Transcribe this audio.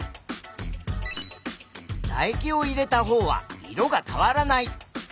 だ液を入れたほうは色が変わらない。